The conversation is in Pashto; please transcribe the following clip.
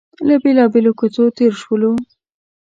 له بېلابېلو کوڅو تېر شولو.